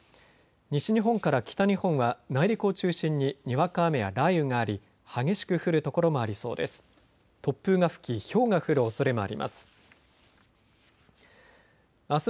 西日本から北日本は内陸を中心ににわか雨や雷雨があり激しく降る所もありそうです。